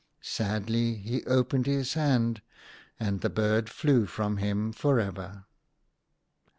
Sadly he opened his hand, and the bird flew from him for ever.